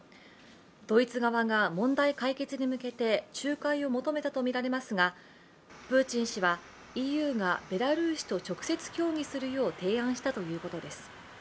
ドイツ側が問題解決に向けて仲介を求めたとみられますがプーチン氏はＥＵがベラルーシと直接協議するよう提案したということです。